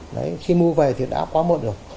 đấy khi mua về thì đã quá muộn rồi